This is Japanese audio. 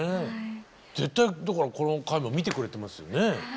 絶対だからこの回も見てくれてますよね。